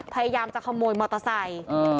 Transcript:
พยายามจะขโมยมอเตอร์ไซค์